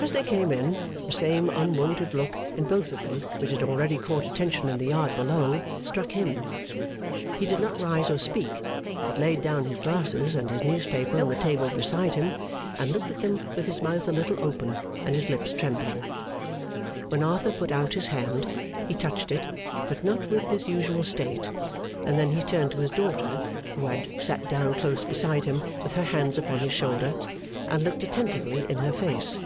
As they came in, the same unwonted look in both of them which had already caught attention in the yard below, struck him. He did not rise or speak, but laid down his glasses and his newspaper on the table beside him, and looked at them with his mouth a little open and his lips trembling. When Arthur put out his hand, he touched it, but not with his usual state; and then he turned to his daughter, who had sat down close beside him with her hands upon his shoulder, and looked attentively in her face.